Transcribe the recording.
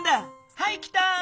はい来た！